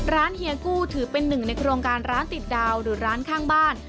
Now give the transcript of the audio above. เฮียกู้ถือเป็นหนึ่งในโครงการร้านติดดาวหรือร้านข้างบ้าน